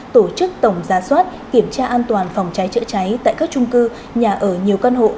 tổ chức tổng gia soát kiểm tra an toàn phòng cháy chữa cháy tại các trung cư nhà ở nhiều căn hộ